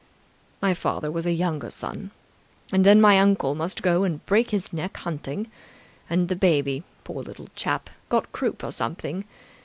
"My father was a younger son. And then my uncle must go and break his neck hunting, and the baby, poor little chap, got croup or something